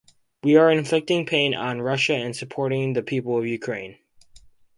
We are inflicting pain on Russia and supporting the people of Ukraine.